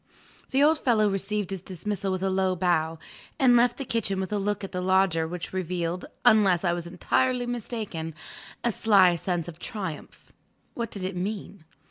The old fellow received his dismissal with a low bow, and left the kitchen with a look at the Lodger which revealed (unless I was entirely mistaken) a sly sense of triumph. What did it mean?